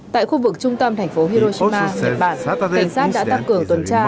tại khu vực trung tâm thành phố hiroshina nhật bản cảnh sát đã tăng cường tuần tra